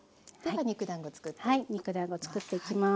はい肉だんごつくっていきます。